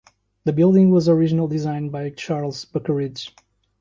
The building was originally designed by Charles Buckeridge.